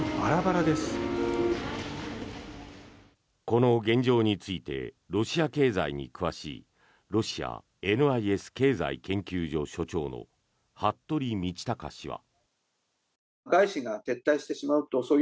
この現状についてロシア経済に詳しいロシアＮＩＳ経済研究所所長の服部倫卓氏は。